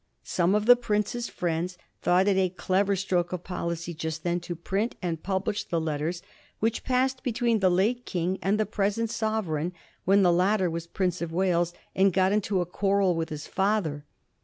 Some of the prince's friends thought it a clever stroke of policy just then to print and publish the letters which passed be tween the late King and the present Sovereign when the latter was Prince of Wales and got into a quarrel with his father.